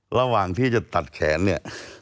ระหว่างที่จะตัดแขนเนี่ย